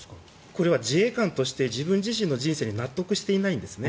これは自衛官として自分自身の人生に納得していないんですね。